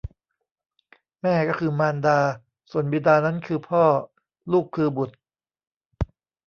แม่ก็คือมารดา ส่วนบิดานั้นคือพ่อ ลูกคือบุตร